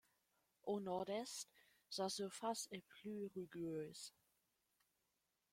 Au nord-est sa surface est plus rugueuse.